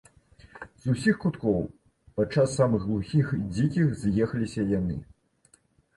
З усіх куткоў, падчас самых глухіх і дзікіх, з'ехаліся яны.